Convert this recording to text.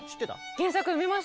原作読みました。